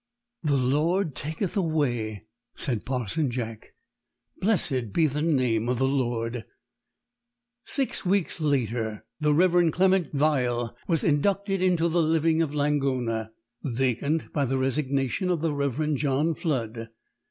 "The Lord taketh away," said Parson Jack. "Blessed be the name of the Lord!" Six weeks later the Rev. Clement Vyell was inducted into the living of Langona, vacant by the resignation of the Rev. John Flood.